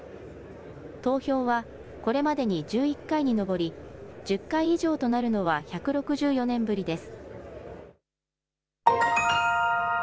投票はこれまでに１１回に上り１０回以上となるのは１６４年ぶりです。